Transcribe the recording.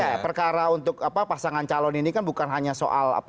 ya perkara untuk pasangan calon ini kan bukan hanya soal